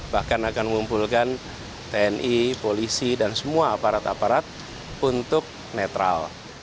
bahkan akan mengumpulkan tni polisi dan semua aparat aparat untuk netral